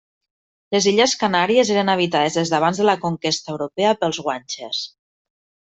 Les illes Canàries eren habitades des d'abans de la conquesta europea pels guanxes.